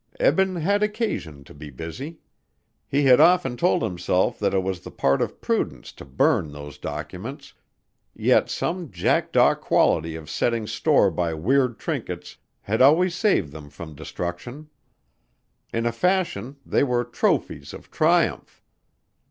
Eben had occasion to be busy. He had often told himself that it was the part of prudence to burn those documents, yet some jackdaw quality of setting store by weird trinkets had always saved them from destruction. In a fashion they were trophies of triumph.